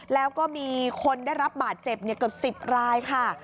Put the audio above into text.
แล้วก็มีคนได้รับบาดเจ็บเกือบ๑๐รายค่ะ